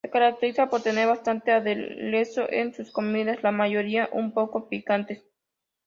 Se caracteriza por tener bastante aderezo en sus comidas, la mayoría un poco picantes.